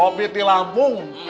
gue pengen bawain ban